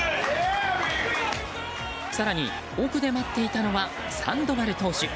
更に、奥で待っていたのはサンドバル投手。